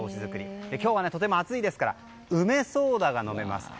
今日はとても暑いですから梅ソーダが飲めます。